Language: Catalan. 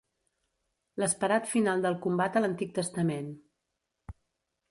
L'esperat final del combat a l'Antic Testament.